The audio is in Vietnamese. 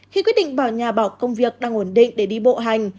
khi quyết định bỏ nhà bỏ công việc đang ổn định để đi bộ hành